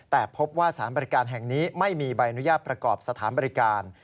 แต่พบว่าสารบริการแห่งนี้ไม่มีใบอนุญาตประกอบสถานบริการ